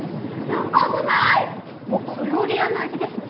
もう小料理屋の味ですね。